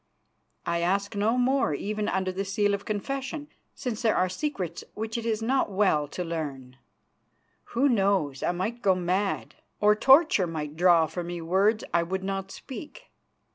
I ask no more even under the seal of confession, since there are secrets which it is not well to learn. Who knows, I might go mad, or torture might draw from me words I would not speak.